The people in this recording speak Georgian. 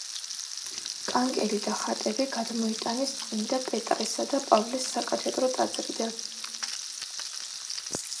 კანკელი და ხატები გადმოიტანეს წმინდა პეტრესა და პავლეს საკათედრო ტაძრიდან.